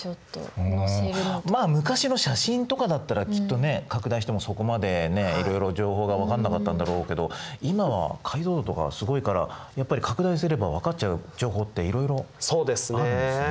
まあ昔の写真とかだったらきっとね拡大してもそこまでいろいろ情報が分かんなかったんだろうけど今は解像度がすごいからやっぱり拡大すれば分かっちゃう情報っていろいろあるんですね。